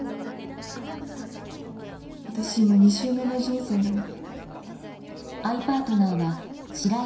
私今２周目の人生なんだ。